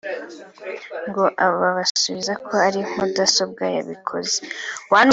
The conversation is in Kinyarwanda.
ngo babasubiza ko ari mudasobwa yabikoze